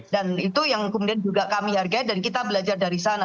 dan itu yang kemudian juga kami hargai dan kita belajar dari sana